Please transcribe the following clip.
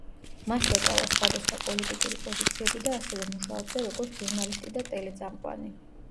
მას ეკავა სხვადასხვა პოლიტიკური პოზიციები და ასევე მუშაობდა როგორც ჟურნალისტი და ტელეწამყვანი.